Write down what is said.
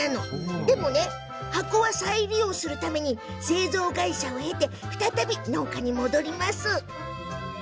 でもね、箱は再利用するために製造会社を経て再び農家に戻ります。